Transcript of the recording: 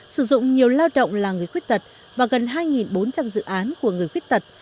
sử dụng nhiều lao động là người khuyết tật và gần hai bốn trăm linh dự án của người khuyết tật